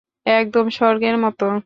একদম স্বর্গের মতো।